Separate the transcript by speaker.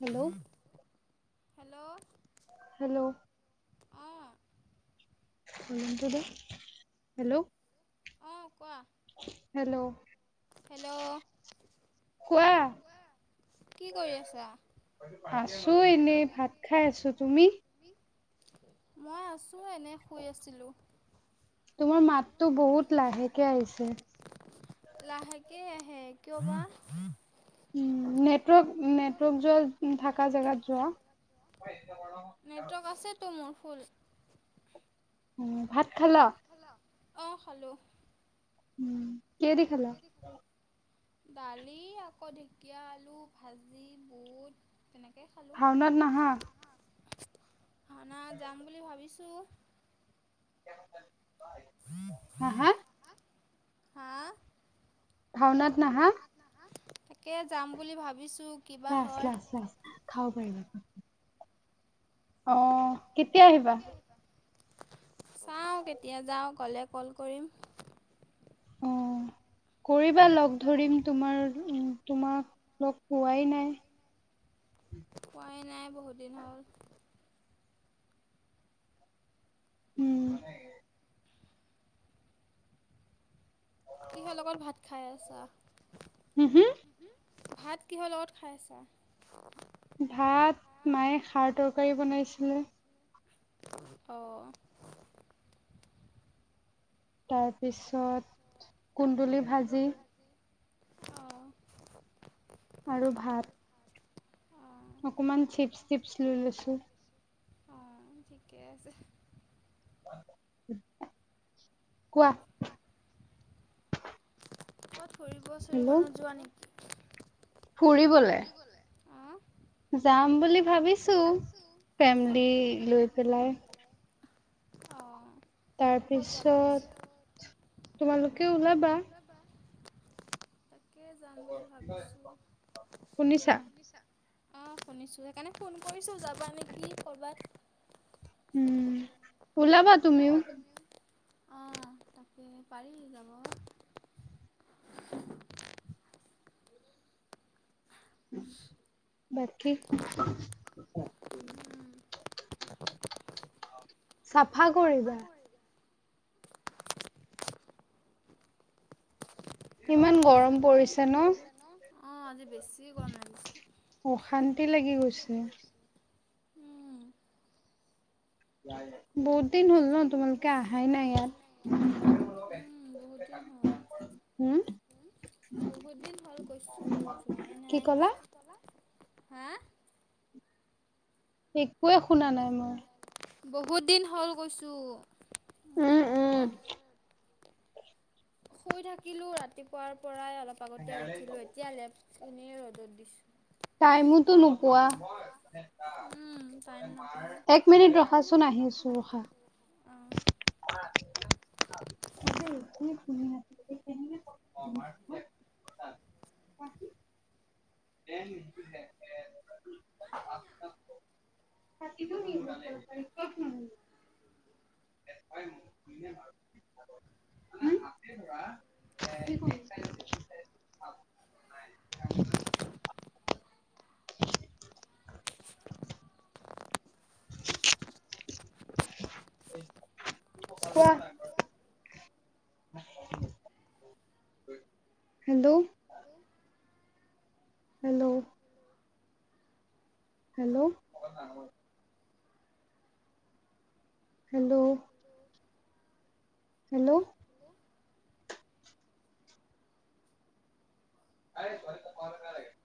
Speaker 1: Hello?
Speaker 2: Hello?
Speaker 1: Hello?
Speaker 2: অ'।
Speaker 1: Hello?
Speaker 2: অ', কোৱা।
Speaker 1: হেল্ল'?
Speaker 2: হেল্ল', কোৱা, কি ক
Speaker 1: আছোঁ এনেই, ভাত খাই আছোঁ, তুমি?
Speaker 2: মই আছোঁ এনে, শুই আছিলোঁ।
Speaker 1: তোমাৰ মাততো বহুত লাহেকে আহিছে।
Speaker 2: লাহেকে আহে, কিয় বা।
Speaker 1: উম, নেটৱৰ্ক, নেটৱৰ্ক যোৱা, থাকা জেগাত যোৱা। এই এতিয়া বাৰু
Speaker 2: নেটৱৰ্ক আছেতো মোৰ ফুল।
Speaker 1: উম, ভাত খালা?
Speaker 2: অ', খালোঁ।
Speaker 1: উম, কিহেদি খালা?
Speaker 2: দালি, আকৌ ঢেকীয়া আলু ভাজি, বুট তেনেকেই খালোঁ, ভাওনাত নাহা, যাম বুলি ভাবিছোঁ।
Speaker 1: হা, হা?
Speaker 2: হা?
Speaker 1: ভাওনাত
Speaker 2: ভাওনাত নাহা, তাকে যাম বুলি ভাবিছোঁ।
Speaker 1: লাষ্ট, লাষ্ট, লাষ্ট, খাব পাৰিবা। অ', কেতিয়া আহিবা?
Speaker 2: চাওঁ কেতিয়া যাওঁ, গ'লে কল কৰিম।
Speaker 1: অ', কৰিবা লগ ধৰিম। তোমাৰ তোমাক লগ পোৱাই নাই।
Speaker 2: পোৱাই নাই বহুত দিন হ'ল।
Speaker 1: উম
Speaker 2: কিহৰ লগত ভাত খাই আছা।
Speaker 1: হম হুম
Speaker 2: ভাত কিহৰ লগত খাই আছা?
Speaker 1: ভাত মায়ে খাৰ তৰকাৰী বনাইছিলে।
Speaker 2: অ'
Speaker 1: তাৰপিছত কুন্দুলি ভাজি।
Speaker 2: অ'
Speaker 1: আৰু ভাত অকমান চিপছ টিপছ লৈ লৈছোঁ।
Speaker 2: অ' ঠিকে আছে।
Speaker 1: কোৱা
Speaker 2: কোৱা ক'ৰবাত ফুৰিব চুৰিব নোযোৱা নেকি ফুৰিবলে
Speaker 1: যাম বুলি ভাবিছোঁ ফেমিলি লৈ পেলাই।
Speaker 2: অ'
Speaker 1: তাৰপিছত তোমালোকে ওলাবা।
Speaker 2: তাকে যাম বুলি ভাবিছোঁ শুনিছা অ' শুনিছোঁ সেইকাৰণে ফোন কৰিছোঁ যাবা নেকি ক'ৰবাত।
Speaker 1: উম
Speaker 2: ওলাবা তুমিও অ' তাকে পাৰি যাব।
Speaker 1: তাকে
Speaker 2: উম
Speaker 1: চাফা কৰিবা ইমান গৰম পৰিছে ন'
Speaker 2: অ' আজি বেছি গৰম লাগিছে অশান্তি লাগি গৈছে।
Speaker 1: বহুত দিন হ'ল ন' তোমালোকে আহাই নাই ইয়াত। হম?
Speaker 2: বহুত দিন হ'ল কৈছোঁ যোৱাই নাই, হা?
Speaker 1: একোৱে শুনা নাই মই।
Speaker 2: বহুত দিন হ'ল কৈছোঁ।
Speaker 1: উম, উম।
Speaker 2: শুই থাকিলোঁ ৰাতিপুৱাৰ পৰাই অলপ আগতে উঠিলোঁ এতিয়া লেপ খিনি ৰ'দত দিছোঁ।
Speaker 1: টাইমোতো নোপোৱা? এক মিনিট ৰখাচোন আহিছোঁ ৰখা।
Speaker 2: অ'। [inaudible]
Speaker 1: [unintelligible] [unintelligible] [unintelligible] [unintelligible] [unintelligible] [unintelligible] কোৱা। Hello hello? হেল্ল'? হেল্ল'? হেল [unintelligible]